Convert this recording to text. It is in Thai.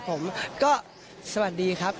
ผมก็สวัสดีครับ